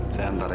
saya antar ya